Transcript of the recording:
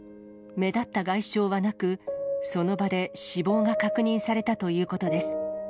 目立った外傷はなく、その場で死亡が確認されたということです。